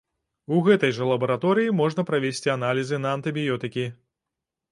У гэтай жа лабараторыі можна правесці аналізы на антыбіётыкі.